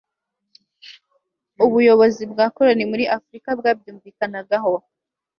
ubuyobozi bwa koroni muri afurika bwabyumvikanagaho